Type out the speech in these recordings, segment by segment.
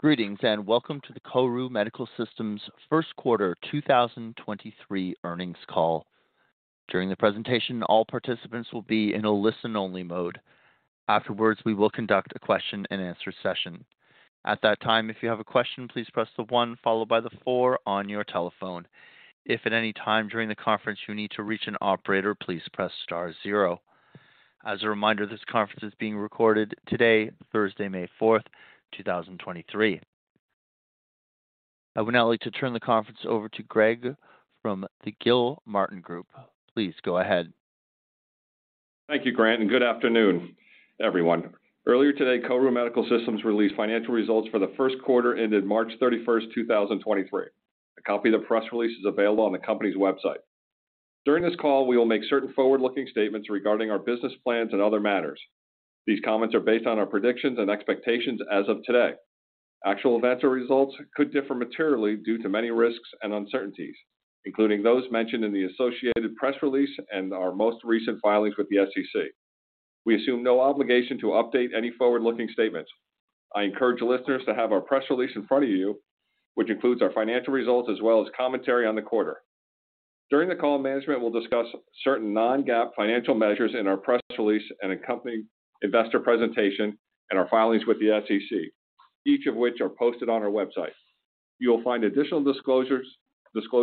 Greetings. Welcome to the KORU Medical Systems First Quarter 2023 Earnings Call. During the presentation, all participants will be in a listen-only mode. Afterwards, we will conduct a question-and-answer session. At that time, if you have a question, please press the 1 followed by the 4 on your telephone. If at any time during the conference you need to reach an operator, please press Star Zero. As a reminder, this conference is being recorded today, Thursday, May 4, 2023. I would now like to turn the conference over to Gregory from the Gilmartin Group. Please go ahead. Thank you, Grant, and good afternoon, everyone. Earlier today, KORU Medical Systems released financial results for the first quarter ended March 31st, 2023. A copy of the press release is available on the company's website. During this call, we will make certain forward-looking statements regarding our business plans and other matters. These comments are based on our predictions and expectations as of today. Actual events or results could differ materially due to many risks and uncertainties, including those mentioned in the associated press release and our most recent filings with the SEC. We assume no obligation to update any forward-looking statements. I encourage listeners to have our press release in front of you, which includes our financial results as well as commentary on the quarter. During the call, management will discuss certain non-GAAP financial measures in our press release and accompanying investor presentation and our filings with the SEC, each of which are posted on our website. You will find additional disclosures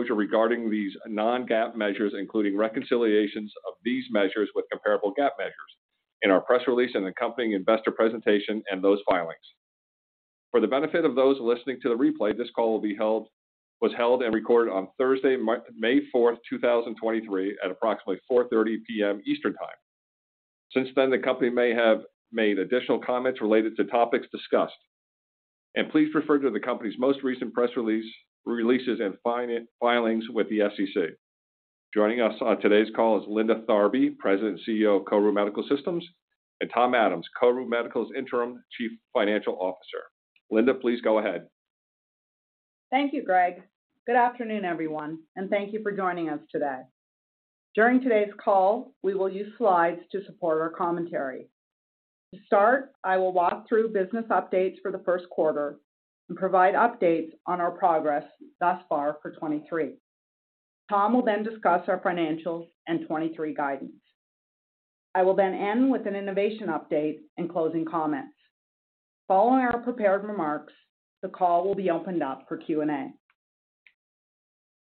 regarding these non-GAAP measures, including reconciliations of these measures with comparable GAAP measures in our press release and accompanying investor presentation and those filings. For the benefit of those listening to the replay, this call was held and recorded on Thursday, May 4, 2023 at approximately 4:30 P.M. Eastern Time. Since then, the company may have made additional comments related to topics discussed, please refer to the company's most recent press releases and find it filings with the SEC. Joining us on today's call is Linda Tharby, President and CEO of KORU Medical Systems, and Tom Adams, KORU Medical's Interim Chief Financial Officer. Linda, please go ahead. Thank you, Greg. Good afternoon, everyone. Thank you for joining us today. During today's call, we will use slides to support our commentary. To start, I will walk through business updates for the first quarter and provide updates on our progress thus far for 2023. Tom will discuss our financials and 2023 guidance. I will end with an innovation update and closing comments. Following our prepared remarks, the call will be opened up for Q&A.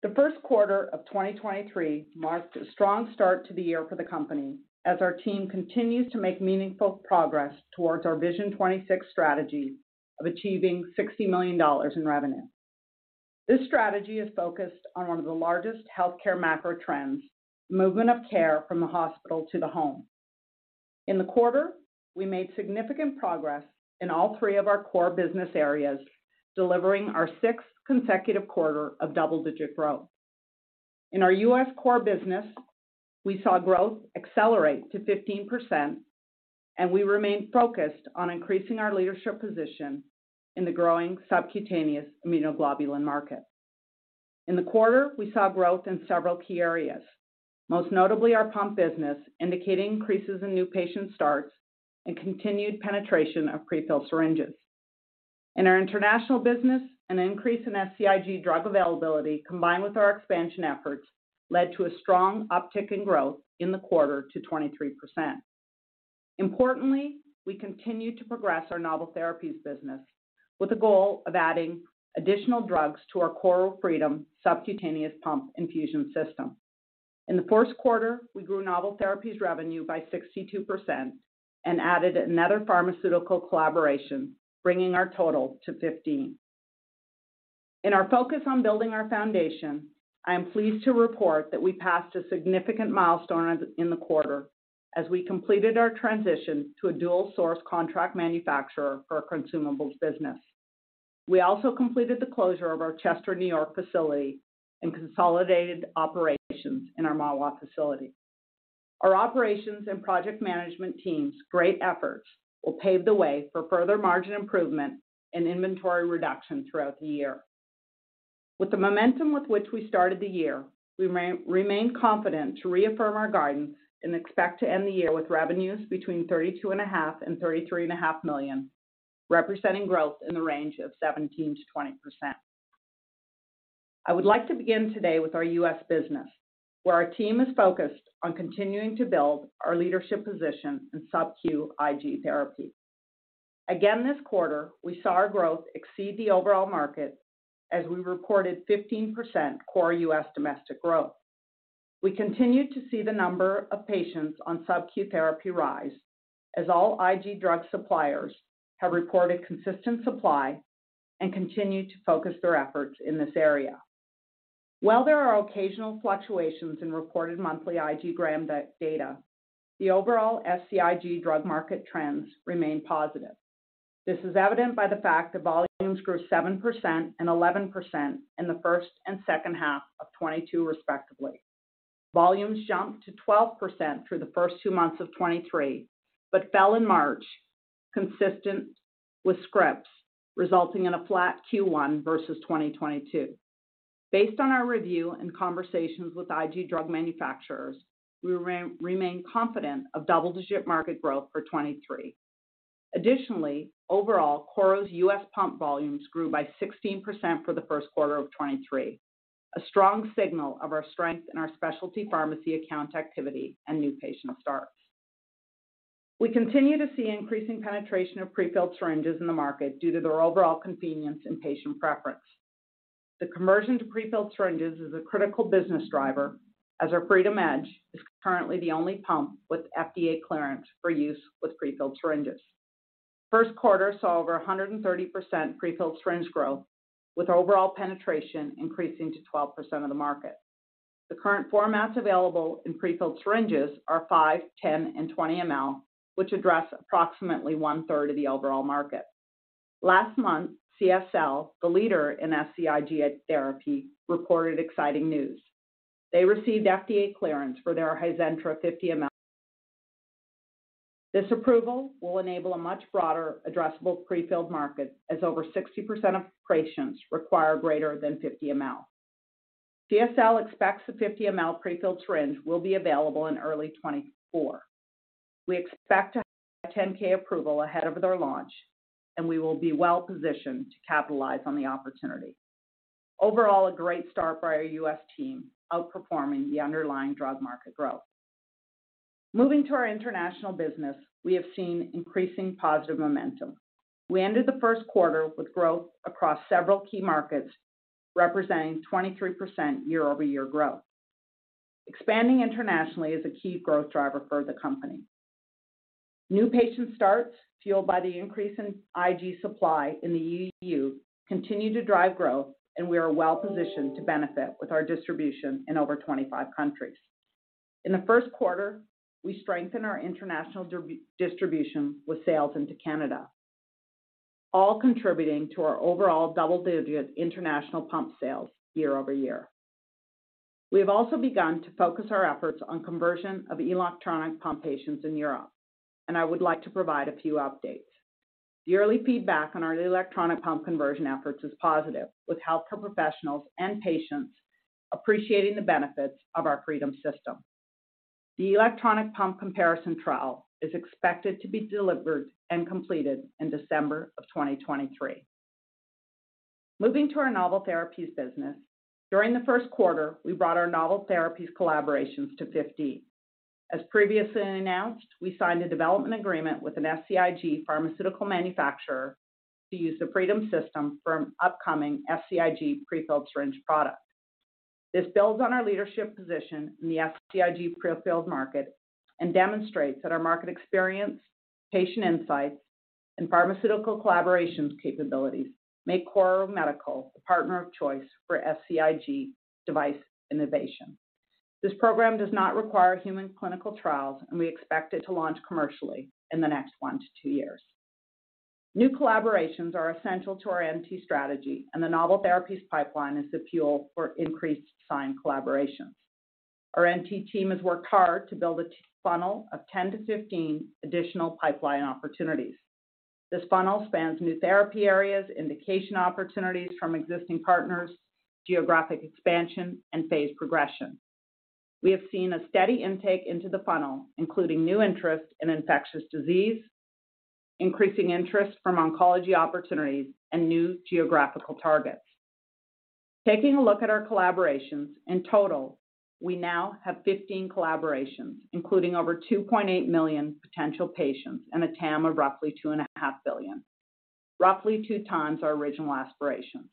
The first quarter of 2023 marked a strong start to the year for the company as our team continues to make meaningful progress towards our Vision 2026 strategy of achieving $60 million in revenue. This strategy is focused on one of the largest healthcare macro trends, movement of care from the hospital to the home. In the quarter, we made significant progress in all three of our core business areas, delivering our sixth consecutive quarter of double-digit growth. In our U.S. core business, we saw growth accelerate to 15%, and we remain focused on increasing our leadership position in the growing subcutaneous immunoglobulin market. In the quarter, we saw growth in several key areas, most notably our pump business, indicating increases in new patient starts and continued penetration of prefilled syringes. In our international business, an increase in SCIG drug availability combined with our expansion efforts led to a strong uptick in growth in the quarter to 23%. Importantly, we continue to progress our Novel Therapies business with the goal of adding additional drugs to our KORU Freedom subcutaneous pump infusion system. In the first quarter, we grew Novel Therapies revenue by 62% and added another pharmaceutical collaboration, bringing our total to 15. In our focus on building our foundation, I am pleased to report that we passed a significant milestone in the quarter we completed our transition to a dual-source contract manufacturer for our consumables business. We also completed the closure of our Chester, New York facility and consolidated operations in our Mahwah facility. Our operations and project management team's great efforts will pave the way for further margin improvement and inventory reduction throughout the year. With the momentum with which we started the year, we remain confident to reaffirm our guidance and expect to end the year with revenues between $32.5 million and $33.5 million, representing growth in the range of 17%-20%. I would like to begin today with our U.S. business, where our team is focused on continuing to build our leadership position in SubQ IG therapy. Again this quarter, we saw our growth exceed the overall market as we reported 15% core U.S. domestic growth. We continued to see the number of patients on SubQ therapy rise as all IG drug suppliers have reported consistent supply and continue to focus their efforts in this area. While there are occasional fluctuations in reported monthly IG gram data, the overall SCIG drug market trends remain positive. This is evident by the fact that volumes grew 7% and 11% in the first and second half of 2022 respectively. Volumes jumped to 12% through the first two months of 2023 but fell in March, consistent with scripts, resulting in a flat Q1 versus 2022. Based on our review and conversations with IG drug manufacturers, we remain confident of double-digit market growth for 2023. Overall, KORU's U.S. pump volumes grew by 16% for the first quarter of 2023, a strong signal of our strength in our specialty pharmacy account activity and new patient starts. We continue to see increasing penetration of prefilled syringes in the market due to their overall convenience and patient preference. The conversion to prefilled syringes is a critical business driver, as our FreedomEdge is currently the only pump with FDA clearance for use with prefilled syringes. First quarter saw over 130% prefilled syringe growth, with overall penetration increasing to 12% of the market. The current formats available in prefilled syringes are 5, 10, and 20 ml, which address approximately 1/3 of the overall market. Last month, CSL, the leader in SCIG therapy, reported exciting news. They received FDA clearance for their Hizentra 50 ml. This approval will enable a much broader addressable prefilled market as over 60% of patients require greater than 50 ml. CSL expects the 50 ml prefilled syringe will be available in early 2024. We expect to have 510(k) approval ahead of their launch, and we will be well-positioned to capitalize on the opportunity. Overall, a great start by our U.S. team, outperforming the underlying drug market growth. Moving to our international business, we have seen increasing positive momentum. We ended the first quarter with growth across several key markets, representing 23% year-over-year growth. Expanding internationally is a key growth driver for the company. New patient starts, fueled by the increase in IG supply in the EU, continue to drive growth, and we are well-positioned to benefit with our distribution in over 25 countries. In the first quarter, we strengthened our international distribution with sales into Canada, all contributing to our overall double-digit international pump sales year-over-year. We have also begun to focus our efforts on conversion of electronic pump patients in Europe, and I would like to provide a few updates. The early feedback on our electronic pump conversion efforts is positive, with healthcare professionals and patients appreciating the benefits of our Freedom System. The electronic pump comparison trial is expected to be delivered and completed in December of 2023. Moving to our Novel Therapies business. During the first quarter, we brought our Novel Therapies collaborations to 15. As previously announced, we signed a development agreement with an SCIG pharmaceutical manufacturer to use the Freedom System for an upcoming SCIG prefilled syringe product. This builds on our leadership position in the SCIG prefilled market and demonstrates that our market experience, patient insights, and pharmaceutical collaborations capabilities make KORU Medical a partner of choice for SCIG device innovation. This program does not require human clinical trials. We expect it to launch commercially in the next 1-2 years. New collaborations are essential to our NT strategy. The Novel Therapies pipeline is the fuel for increased signed collaborations. Our NT team has worked hard to build a T-funnel of 10-15 additional pipeline opportunities. This funnel spans new therapy areas, indication opportunities from existing partners, geographic expansion, and phase progression. We have seen a steady intake into the funnel, including new interest in infectious disease, increasing interest from oncology opportunities, and new geographical targets. Taking a look at our collaborations, in total, we now have 15 collaborations, including over 2.8 million potential patients and a TAM of roughly $2.5 billion, roughly 2 times our original aspirations.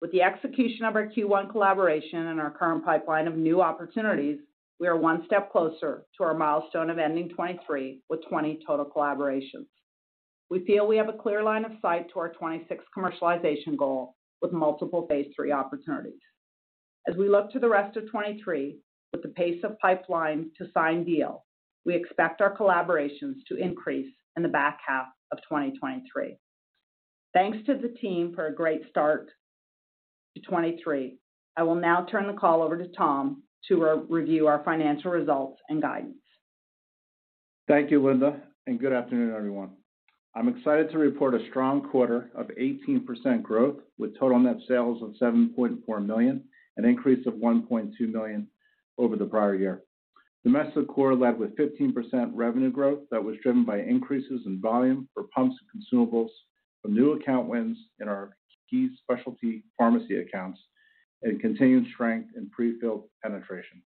With the execution of our Q1 collaboration and our current pipeline of new opportunities, we are one step closer to our milestone of ending 2023 with 20 total collaborations. We feel we have a clear line of sight to our 2026 commercialization goal with multiple phase 3 opportunities. As we look to the rest of 2023, with the pace of pipeline to sign deal, we expect our collaborations to increase in the back half of 2023. Thanks to the team for a great start to 2023. I will now turn the call over to Tom to re-review our financial results and guidance. Thank you, Linda. Good afternoon, everyone. I'm excited to report a strong quarter of 18% growth with total net sales of $7.4 million, an increase of $1.2 million over the prior year. Domestic core led with 15% revenue growth that was driven by increases in volume for pumps and consumables from new account wins in our key specialty pharmacy accounts and continued strength in prefilled penetration.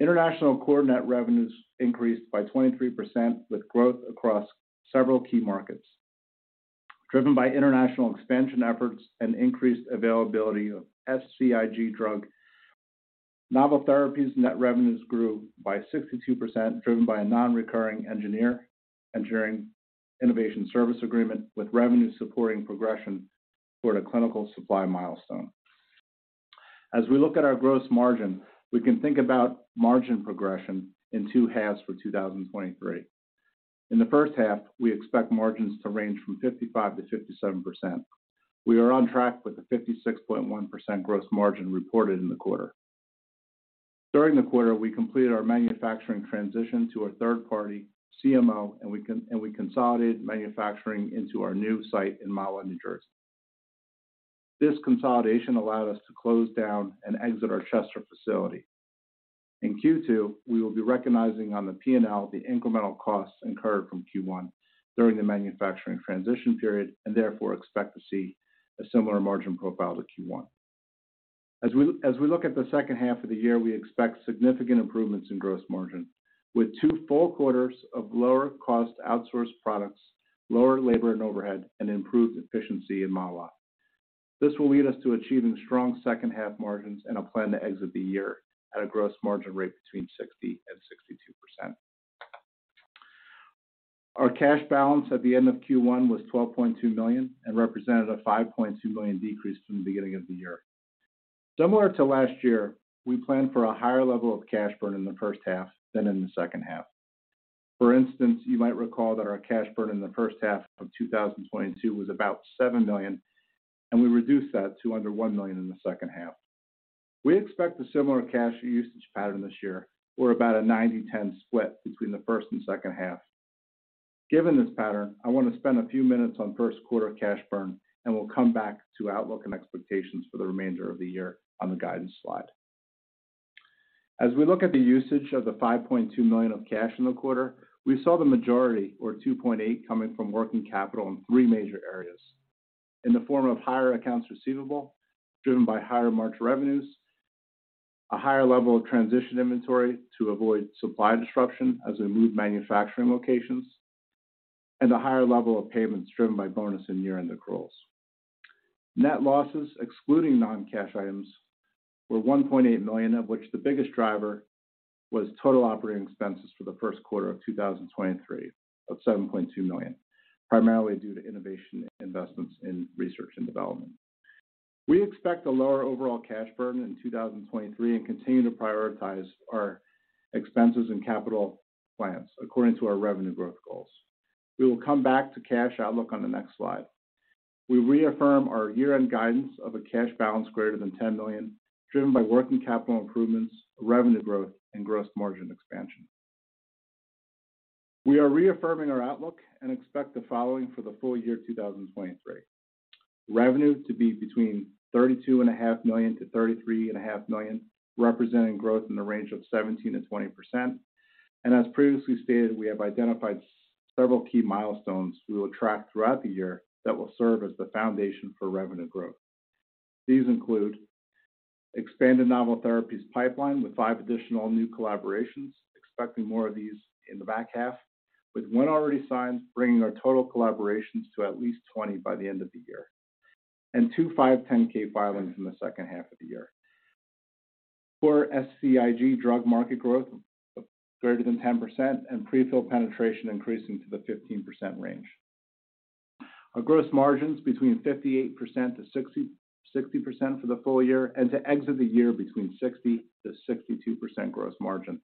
International core net revenues increased by 23% with growth across several key markets, driven by international expansion efforts and increased availability of SCIG drug. Novel Therapies net revenues grew by 62%, driven by a non-recurring engineering innovation service agreement with revenue supporting progression toward a clinical supply milestone. As we look at our gross margin, we can think about margin progression in two halves for 2023. In the first half, we expect margins to range from 55%-57%. We are on track with the 56.1% gross margin reported in the quarter. During the quarter, we completed our manufacturing transition to a third party CMO, and we consolidated manufacturing into our new site in Mahwah, New Jersey. This consolidation allowed us to close down and exit our Chester facility. In Q2, we will be recognizing on the P&L the incremental costs incurred from Q1 during the manufacturing transition period, and therefore expect to see a similar margin profile to Q1. As we look at the second half of the year, we expect significant improvements in gross margin, with two full quarters of lower cost outsourced products, lower labor and overhead, and improved efficiency in Mahwah. This will lead us to achieving strong second half margins and a plan to exit the year at a gross margin rate between 60% and 62%. Our cash balance at the end of Q1 was $12.2 million and represented a $5.2 million decrease from the beginning of the year. Similar to last year, we plan for a higher level of cash burn in the first half than in the second half. For instance, you might recall that our cash burn in the first half of 2022 was about $7 million, and we reduced that to under $1 million in the second half. We expect a similar cash usage pattern this year or about a 90/10 split between the first and second half. Given this pattern, I want to spend a few minutes on first quarter cash burn, and we'll come back to outlook and expectations for the remainder of the year on the guidance slide. As we look at the usage of the $5.2 million of cash in the quarter, we saw the majority or $2.8 million coming from working capital in three major areas in the form of higher accounts receivable driven by higher March revenues, a higher level of transition inventory to avoid supply disruption as we move manufacturing locations, and a higher level of payments driven by bonus and year-end accruals. Net losses excluding non-cash items were $1.8 million, of which the biggest driver was total operating expenses for the first quarter of 2023 of $7.2 million, primarily due to innovation investments in research and development. We expect a lower overall cash burn in 2023 and continue to prioritize our expenses and capital plans according to our revenue growth goals. We will come back to cash outlook on the next slide. We reaffirm our year-end guidance of a cash balance greater than $10 million, driven by working capital improvements, revenue growth, and gross margin expansion. We are reaffirming our outlook and expect the following for the full year 2023. Revenue to be between $32.5 million to $33.5 million, representing growth in the range of 17%-20%. As previously stated, we have identified several key milestones we will track throughout the year that will serve as the foundation for revenue growth. These include expanded Novel Therapies pipeline with five additional new collaborations, expecting more of these in the back half, with one already signed, bringing our total collaborations to at least 20 by the end of the year. Two 510(k) filings in the second half of the year. For SCIG drug market growth greater than 10% and prefill penetration increasing to the 15% range. Our gross margins between 58% to 60% for the full year and to exit the year between 60%-62% gross margin.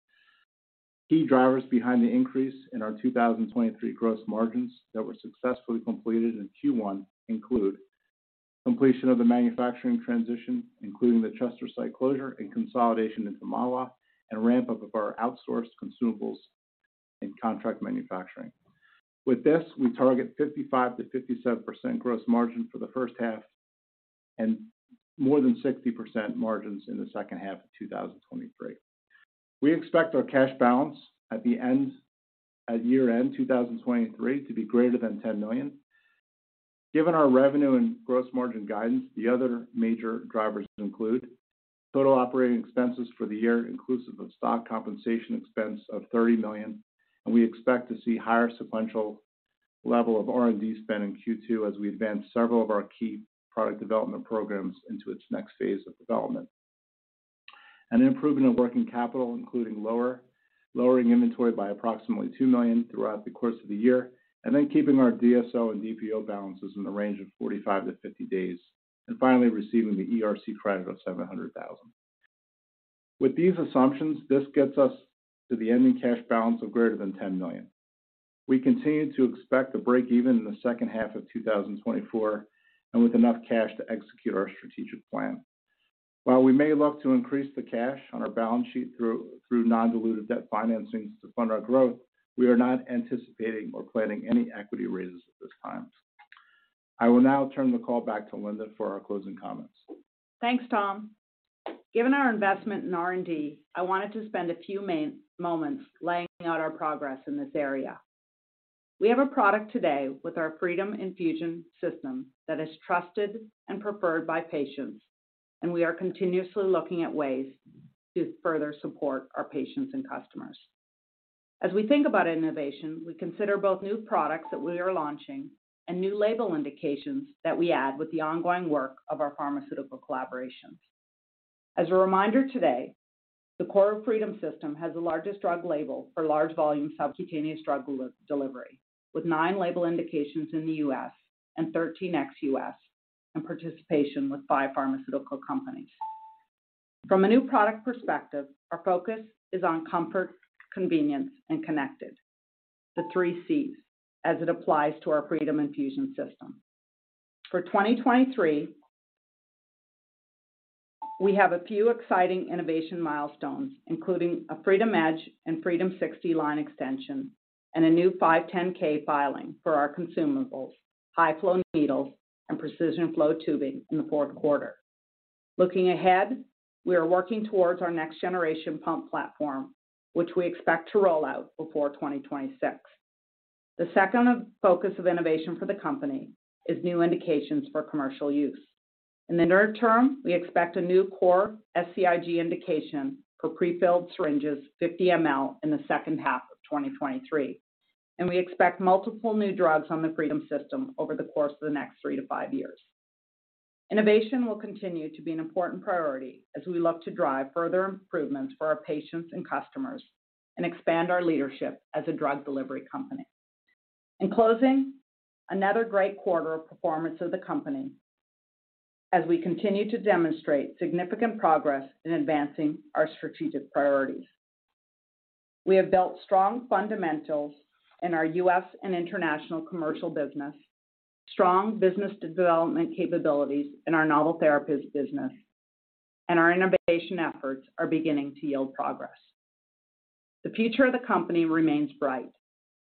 Key drivers behind the increase in our 2023 gross margins that were successfully completed in Q1 include completion of the manufacturing transition, including the Chester site closure and consolidation into Mahwah and ramp up of our outsourced consumables and contract manufacturing. With this, we target 55%-57% gross margin for the first half and more than 60% margins in the second half of 2023. We expect our cash balance at year-end 2023 to be greater than $10 million. Given our revenue and gross margin guidance, the other major drivers include total operating expenses for the year inclusive of stock compensation expense of $30 million. We expect to see higher sequential level of R&D spend in Q2 as we advance several of our key product development programs into its next phase of development. An improvement of working capital, including lowering inventory by approximately $2 million throughout the course of the year, and then keeping our DSO and DPO balances in the range of 45-50 days, and finally receiving the ERC credit of $700,000. With these assumptions, this gets us to the ending cash balance of greater than $10 million. We continue to expect to break even in the second half of 2024 with enough cash to execute our strategic plan. While we may look to increase the cash on our balance sheet through non-dilutive debt financings to fund our growth, we are not anticipating or planning any equity raises at this time. I will now turn the call back to Linda for our closing comments. Thanks, Tom. Given our investment in R&D, I wanted to spend a few moments laying out our progress in this area. We have a product today with our Freedom Infusion System that is trusted and preferred by patients, and we are continuously looking at ways to further support our patients and customers. As we think about innovation, we consider both new products that we are launching and new label indications that we add with the ongoing work of our pharmaceutical collaborations. As a reminder today, the KORU Freedom System has the largest drug label for large volume subcutaneous drug delivery, with 9 label indications in the U.S. and 13 ex-U.S., and participation with 5 pharmaceutical companies. From a new product perspective, our focus is on comfort, convenience, and connected, the three Cs as it applies to our Freedom Infusion System. For 2023, we have a few exciting innovation milestones, including a FreedomEdge and Freedom60 line extension and a new 510(k) filing for our consumables, high flow needles and precision flow tubing in the fourth quarter. Looking ahead, we are working towards our next generation pump platform, which we expect to roll out before 2026. The second focus of innovation for the company is new indications for commercial use. In the near term, we expect a new core SCIG indication for prefilled syringes 50 ml in the second half of 2023. We expect multiple new drugs on the Freedom System over the course of the next 3 to 5 years. Innovation will continue to be an important priority as we look to drive further improvements for our patients and customers and expand our leadership as a drug delivery company. In closing, another great quarter of performance of the company as we continue to demonstrate significant progress in advancing our strategic priorities. We have built strong fundamentals in our U.S. and international commercial business, strong business development capabilities in our Novel Therapies business. Our innovation efforts are beginning to yield progress. The future of the company remains bright.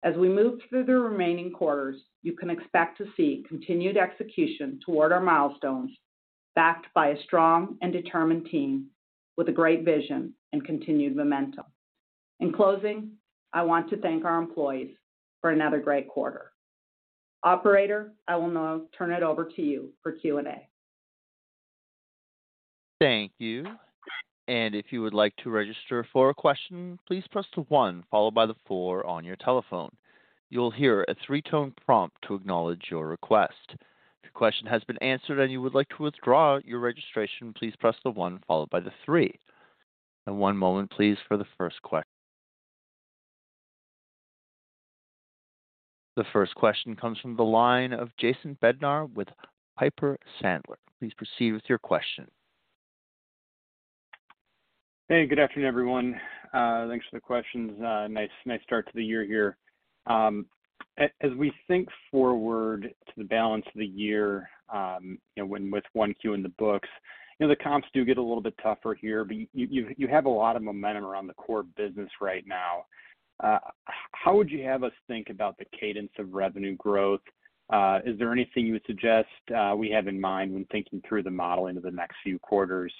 As we move through the remaining quarters, you can expect to see continued execution toward our milestones backed by a strong and determined team with a great vision and continued momentum. In closing, I want to thank our employees for another great quarter. Operator, I will now turn it over to you for Q&A. Thank you. If you would like to register for a question, please press the 1 followed by the 4 on your telephone. You'll hear a 3-tone prompt to acknowledge your request. If your question has been answered and you would like to withdraw your registration, please press the 1 followed by the 3. One moment, please. The first question comes from the line of Jason Bednar with Piper Sandler. Please proceed with your question. Hey, good afternoon, everyone. Thanks for the questions. Nice start to the year here. As we think forward to the balance of the year, you know, when with 1 Q in the books, you know, the comps do get a little bit tougher here, but you have a lot of momentum around the core business right now. How would you have us think about the cadence of revenue growth? Is there anything you would suggest, we have in mind when thinking through the model into the next few quarters,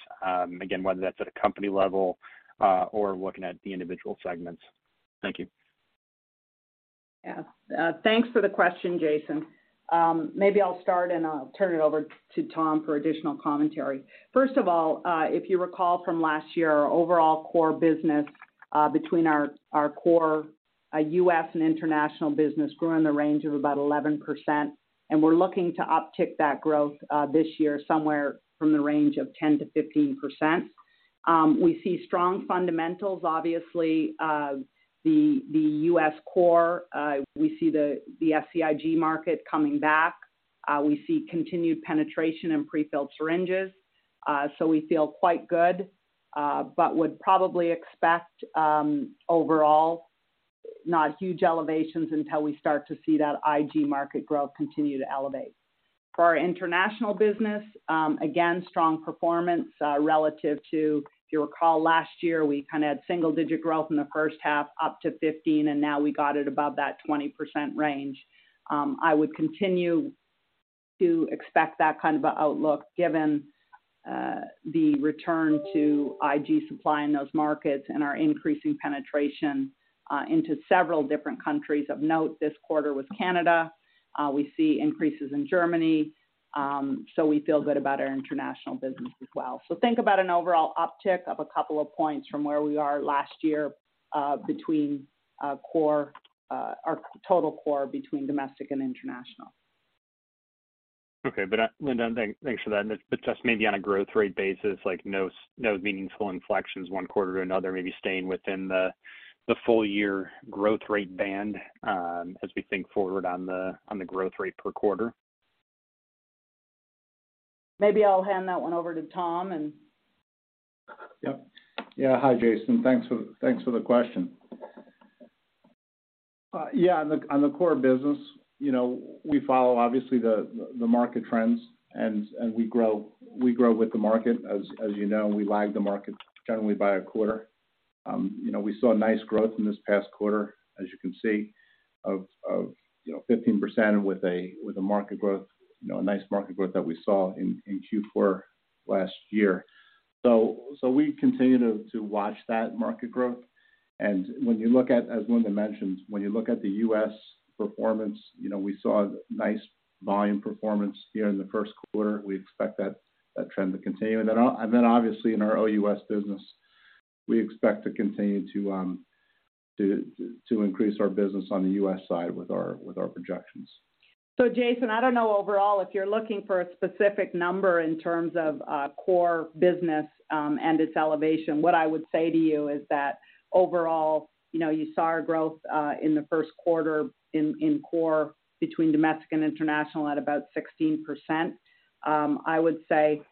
again, whether that's at a company level, or looking at the individual segments? Thank you. Thanks for the question, Jason. Maybe I'll start, and I'll turn it over to Tom for additional commentary. First of all, if you recall from last year, our overall core business, between our core U.S. and international business grew in the range of about 11%, and we're looking to uptick that growth this year somewhere from the range of 10%-15%. We see strong fundamentals. Obviously, the U.S. core, we see the SCIG market coming back. We see continued penetration in prefilled syringes. We feel quite good, but would probably expect overall, not huge elevations until we start to see that IG market growth continue to elevate. For our international business, again, strong performance relative to if you recall last year, we kind of had single-digit growth in the first half up to 15, now we got it above that 20% range. I would continue to expect that kind of an outlook given the return to IG supply in those markets and our increasing penetration into several different countries. Of note this quarter was Canada. We see increases in Germany. We feel good about our international business as well. Think about an overall uptick of a couple of points from where we are last year, between core, or total core between domestic and international. Okay. Linda, thanks for that. Just maybe on a growth rate basis, like, no meaningful inflections one quarter to another, maybe staying within the full year growth rate band, as we think forward on the growth rate per quarter. Maybe I'll hand that one over to Tom. Yep. Yeah. Hi, Jason. Thanks for the question. Yeah, on the core business, you know, we follow obviously the market trends and we grow with the market. As you know, we lag the market generally by a quarter. You know, we saw nice growth in this past quarter, as you can see, of, you know, 15% with the market growth, you know, a nice market growth that we saw in Q4 last year. We continue to watch that market growth. When you look at, as Linda mentioned, when you look at the U.S. performance, you know, we saw nice volume performance here in the first quarter. We expect that trend to continue. Obviously in our U.S. business, we expect to continue to increase our business on the U.S. side with our projections. Jason, I don't know overall if you're looking for a specific number in terms of core business and its elevation. What I would say to you is that overall, you know, you saw our growth in the first quarter in core between domestic and international at about 16%. I would say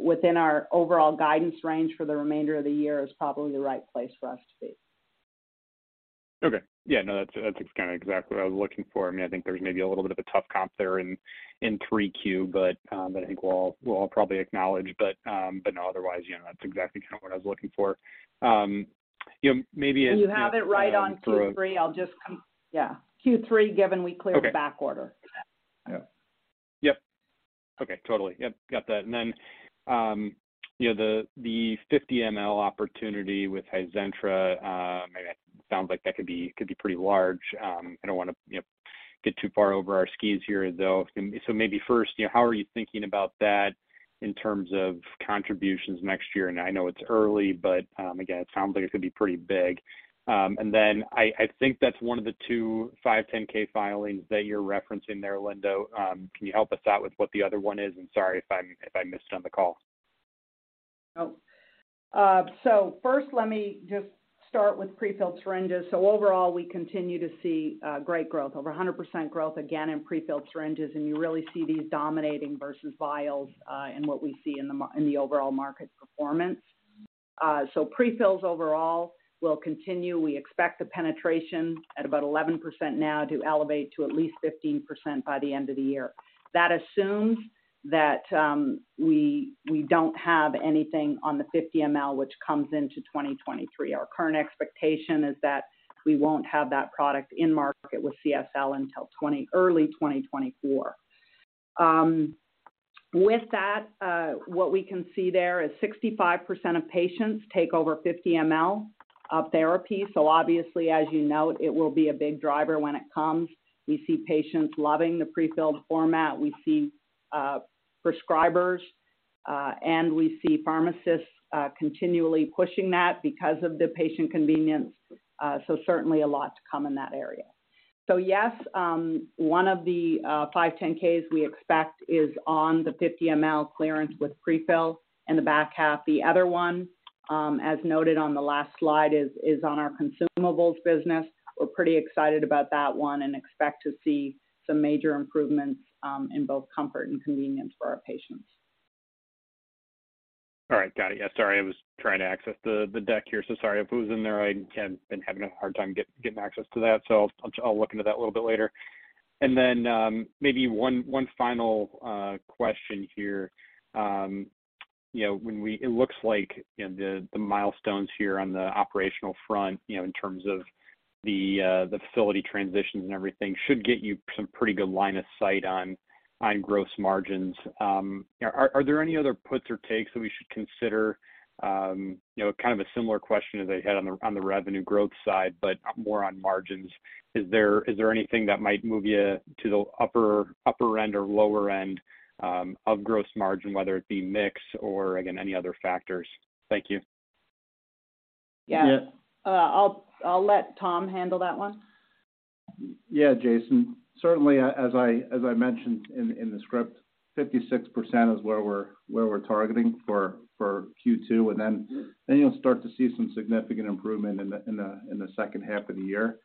within our overall guidance range for the remainder of the year is probably the right place for us to be. Okay. Yeah, no, that's kind of exactly what I was looking for. I mean, I think there's maybe a little bit of a tough comp there in 3Q, but I think we'll probably acknowledge. No, otherwise, you know, that's exactly kind of what I was looking for. You know, maybe if- You have it right on Q3. Yeah. Q3, given we cleared- Okay the backorder. Yeah. Yep. Okay. Totally. Yep, got that. You know, the 50 mL opportunity with Hizentra, maybe that sounds like that could be pretty large. I don't wanna, you know, get too far over our skis here, though. Maybe first, you know, how are you thinking about that in terms of contributions next year? I know it's early, again, it sounds like it's gonna be pretty big. I think that's one of the two 510(k) filings that you're referencing there, Linda. Can you help us out with what the other one is? Sorry if I missed it on the call. No. First let me just start with pre-filled syringes. Overall, we continue to see great growth. Over 100% growth again in pre-filled syringes, and you really see these dominating versus vials in what we see in the overall market performance. Pre-fills overall will continue. We expect the penetration at about 11% now to elevate to at least 15% by the end of the year. That assumes that we don't have anything on the 50 ML, which comes into 2023. Our current expectation is that we won't have that product in market with CSL until early 2024. With that, what we can see there is 65% of patients take over 50 ML of therapy. Obviously, as you note, it will be a big driver when it comes. We see patients loving the pre-filled format. We see prescribers, and we see pharmacists continually pushing that because of the patient convenience. Certainly a lot to come in that area. Yes, one of the 510(k)s we expect is on the 50 mL clearance with pre-fill in the back half. The other one, as noted on the last slide is on our consumables business. We're pretty excited about that one and expect to see some major improvements in both comfort and convenience for our patients. All right. Got it. Yeah, sorry. I was trying to access the deck here. Sorry if it was in there. I, again, been having a hard time getting access to that. I'll look into that a little bit later. Then maybe one final question here. You know, when it looks like, you know, the milestones here on the operational front, you know, in terms of the facility transitions and everything should get you some pretty good line of sight on gross margins. Are there any other puts or takes that we should consider? You know, kind of a similar question as I had on the revenue growth side, but more on margins. Is there anything that might move you to the upper end or lower end of gross margin, whether it be mix or again, any other factors? Thank you. Yeah. Yeah. I'll let Tom handle that one. Yeah, Jason. Certainly as I mentioned in the script, 56% is where we're targeting for Q2. Then you'll start to see some significant improvement in the second half of the year,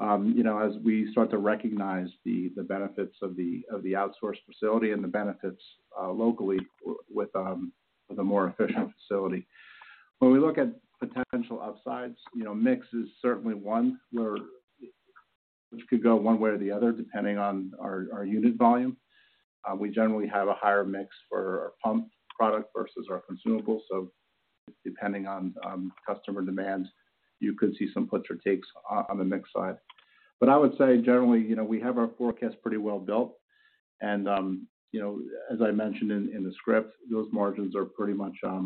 you know, as we start to recognize the benefits of the outsourced facility and the benefits locally with the more efficient facility. When we look at potential upsides, you know, mix is certainly one where, which could go one way or the other, depending on our unit volume. We generally have a higher mix for our pump product versus our consumables. Depending on customer demands, you could see some puts or takes on the mix side. I would say generally, you know, we have our forecast pretty well built and, you know, as I mentioned in the script, those margins are pretty much, you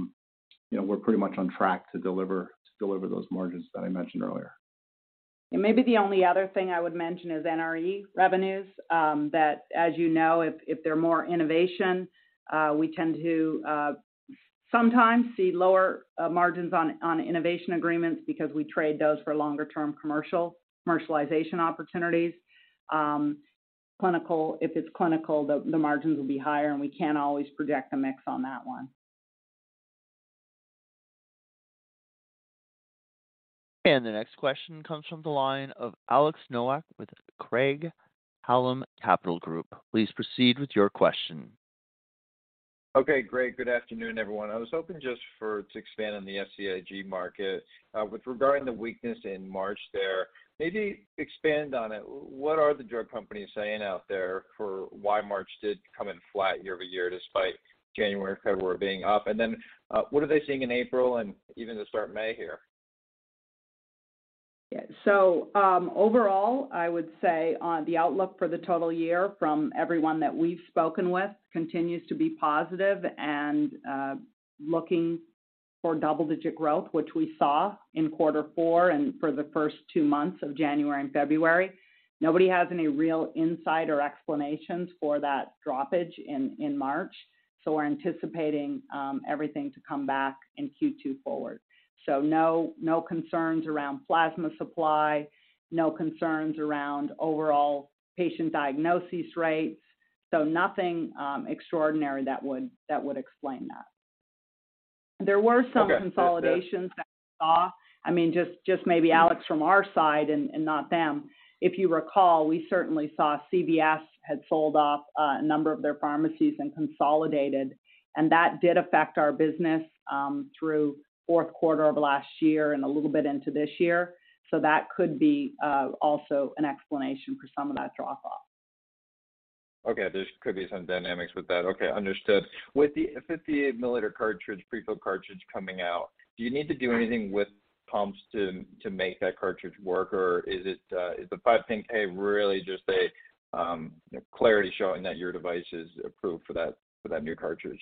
know, we're pretty much on track to deliver those margins that I mentioned earlier. Maybe the only other thing I would mention is NRE revenues, that as you know, if they're more innovation, we tend to sometimes see lower margins on innovation agreements because we trade those for longer term commercialization opportunities. If it's clinical, the margins will be higher and we can't always project the mix on that one. The next question comes from the line of Alexander Nowak with Craig-Hallum Capital Group. Please proceed with your question. Okay, great. Good afternoon, everyone. I was hoping to expand on the SCIG market, with regarding the weakness in March there, maybe expand on it. What are the drug companies saying out there for why March did come in flat year-over-year despite January and February being up? What are they seeing in April and even the start of May here? Overall, I would say on the outlook for the total year from everyone that we've spoken with continues to be positive and looking for double-digit growth, which we saw in quarter four and for the first 2 months of January and February. Nobody has any real insight or explanations for that droppage in March. We're anticipating everything to come back in Q2 forward. No concerns around plasma supply, no concerns around overall patient diagnosis rates. Nothing extraordinary that would explain that. There were some consolidations that we saw. I mean, just maybe Alexander from our side and not them. If you recall, we certainly saw CVS had sold off, a number of their pharmacies and consolidated, and that did affect our business, through fourth quarter of last year and a little bit into this year. That could be, also an explanation for some of that drop-off. Okay. There could be some dynamics with that. Okay, understood. With the 50 mL cartridge, pre-filled cartridge coming out, do you need to do anything with pumps to make that cartridge work, or is it, is the 510(k) really just a clarity showing that your device is approved for that new cartridge?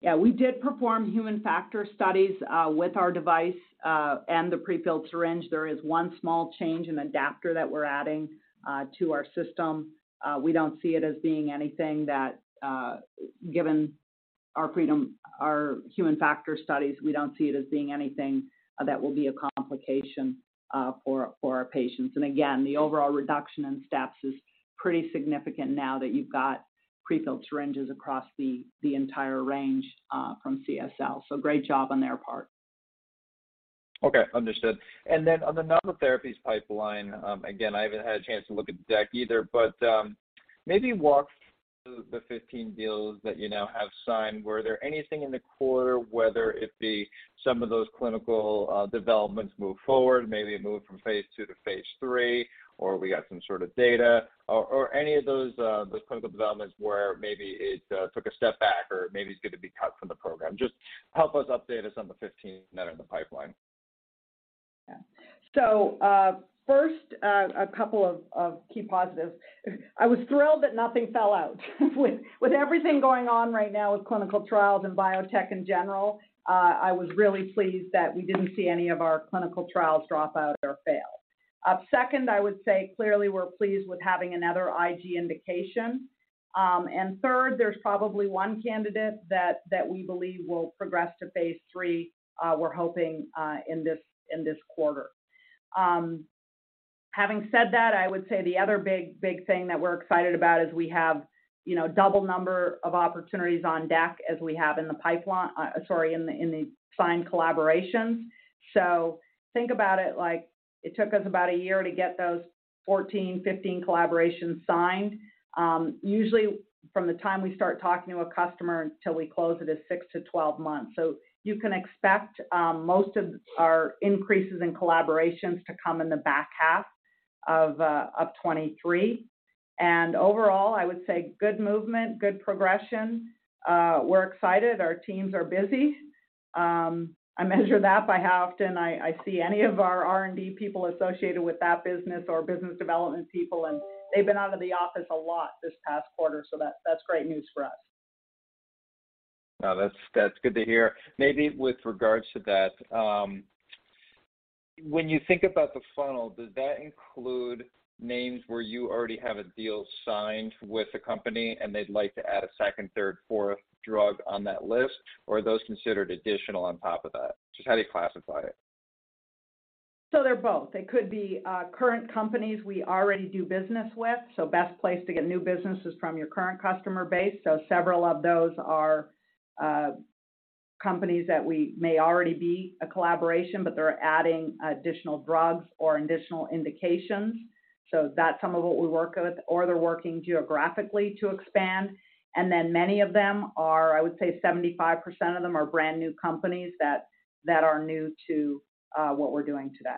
Yeah, we did perform human factor studies with our device and the pre-filled syringe. There is one small change, an adapter that we're adding to our system. We don't see it as being anything that, given our human factor studies, will be a complication for our patients. Again, the overall reduction in steps is pretty significant now that you've got pre-filled syringes across the entire range from CSL. Great job on their part. Okay. Understood. On Novel Therapies pipeline, again, I haven't had a chance to look at the deck either, maybe walk through the 15 deals that you now have signed? Were there anything in the quarter, whether it be some of those clinical developments moved forward, maybe it moved from phase 2 to phase 3, or we got some sort of data or any of those clinical developments where maybe it took a step back or maybe it's gonna be cut from the program? Just help us update us on the 15 that are in the pipeline. First, a couple of key positives. I was thrilled that nothing fell out. With everything going on right now with clinical trials and biotech in general, I was really pleased that we didn't see any of our clinical trials drop out or fail. Second, I would say clearly we're pleased with having another IG indication. Third, there's probably 1 candidate that we believe will progress to phase 3, we're hoping, in this quarter. Having said that, I would say the other big, big thing that we're excited about is we have, you know, double number of opportunities on deck as we have in the pipeline, sorry, in the signed collaborations. Think about it like it took us about a year to get those 14, 15 collaborations signed. Usually from the time we start talking to a customer until we close it is 6-12 months. You can expect most of our increases in collaborations to come in the back half of 2023. Overall, I would say good movement, good progression. We're excited. Our teams are busy. I measure that by how often I see any of our R&D people associated with that business or business development people, and they've been out of the office a lot this past quarter. That's great news for us. No, that's good to hear. Maybe with regards to that, when you think about the funnel, does that include names where you already have a deal signed with a company and they'd like to add a second, third, fourth drug on that list, or are those considered additional on top of that? Just how do you classify it? They're both. They could be current companies we already do business with. Best place to get new business is from your current customer base. Several of those are companies that we may already be a collaboration, but they're adding additional drugs or additional indications. That's some of what we work with. They're working geographically to expand. Many of them are, I would say 75% of them are brand new companies that are new to what we're doing today.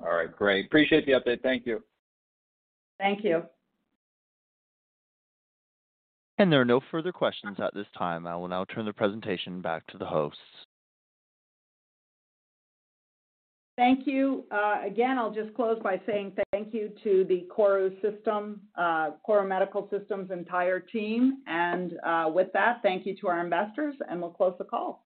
All right, great. Appreciate the update. Thank you. Thank you. There are no further questions at this time. I will now turn the presentation back to the hosts. Thank you. Again, I'll just close by saying thank you to the KORU System, KORU Medical Systems' entire team. With that, thank you to our investors, and we'll close the call.